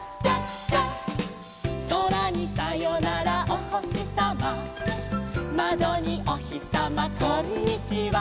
「そらにさよならおほしさま」「まどにおひさまこんにちは」